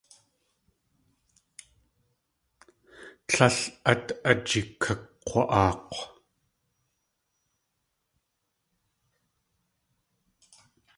Tlél át ajikakg̲wa.aak̲w.